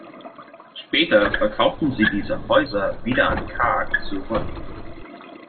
Später verkauften sie diese Häuser wieder an Karg zurück.